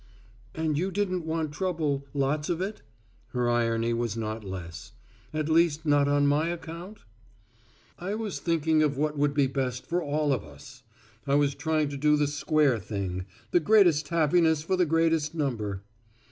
"And you didn't want trouble, lots of it?" Her irony was not less. "At least not on my account?" "I was thinking of what would be best for all of us. I was trying to do the square thing the greatest happiness for the greatest number."